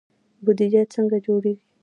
بودجه څنګه جوړیږي؟